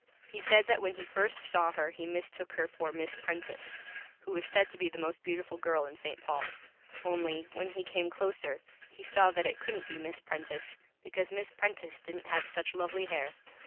He said that when he first saw her he Mistook her for Miss Prentice, who was said to be the Most Beautiful Girl in St. Paul, only, when he came closer, he saw that it couldn't be Miss Prentice, because Miss Prentice didn't have such Lovely Hair.